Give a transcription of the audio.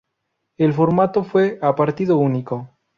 El formato fue a partido único.